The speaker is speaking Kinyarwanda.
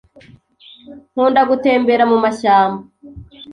Nkunda gutembera mumashyamba.